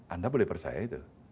anda boleh percaya itu